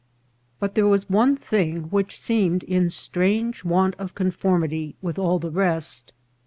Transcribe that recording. But there was one thing which seemed in strange want of conformity with all the rest.